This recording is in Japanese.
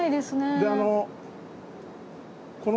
であの